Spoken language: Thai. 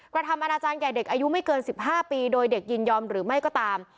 กระทำอนาจารย์แก่เด็กอายุไม่เกิน๑๕ปีโดยเด็กยินยอมหรือไม่ก็ตาม